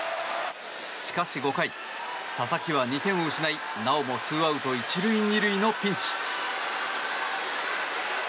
しかし５回佐々木は２点を失いなおも２アウト１塁２塁のピンチ。